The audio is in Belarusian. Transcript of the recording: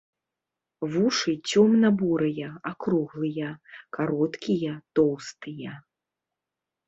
Вушы цёмна-бурыя, акруглыя, кароткія, тоўстыя.